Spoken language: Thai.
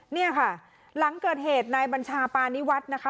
เนี่ยค่ะหลังเกิดเหตุนายบัญชาปานิวัฒน์นะคะ